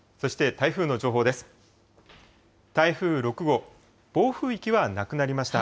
台風６号、暴風域はなくなりました。